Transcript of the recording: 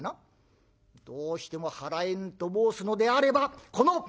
どうしても払えぬと申すのであればこの桜吹雪が！」。